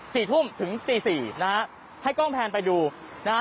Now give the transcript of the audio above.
สี่ทุ่มถึงตีสี่นะฮะให้กล้องแพนไปดูนะฮะ